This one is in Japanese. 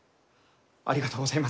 ありがとうございます。